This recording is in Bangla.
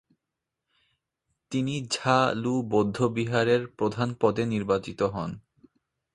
তিনি ঝ্বা-লু বৌদ্ধবিহারের প্রধান পদে নির্বাচিত হন।